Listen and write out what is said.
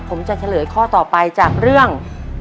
ผมจะเฉลยข้อต่อไปจากเรื่อง